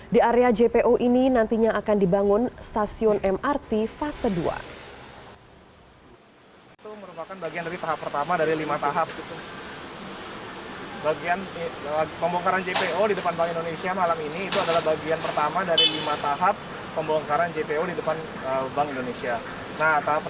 di area jpo ini nantinya akan dibangun stasiun mrt fase dua